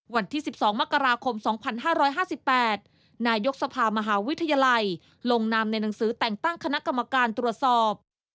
วันที่๑๒มกราคม๒๕๕๘นายกสภามหาวิทยาลัยลงนามในหนังสือแต่งตั้งคณะกรรมการตรวจสอบ